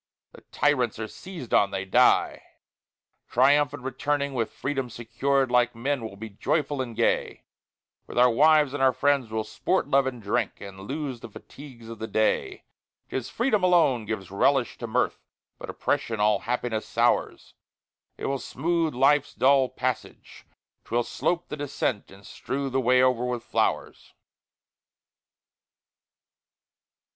The tyrants are seized on, they die! Triumphant returning with Freedom secur'd, Like men, we'll be joyful and gay With our wives and our friends, we'll sport, love, and drink, And lose the fatigues of the day. 'Tis freedom alone gives a relish to mirth, But oppression all happiness sours; It will smooth life's dull passage, 'twill slope the descent, And strew the way over with flowers.